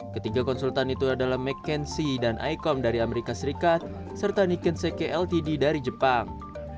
ketiga konsultan itu adalah mckenzie dan ikon dari amerika serikat serta nikenseke ltd dari jepang